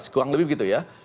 kurang lebih begitu ya